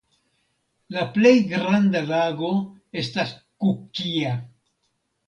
La plej granda lago estas Kukkia.